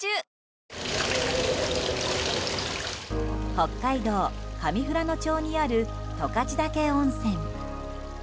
北海道上富良野町にある十勝岳温泉。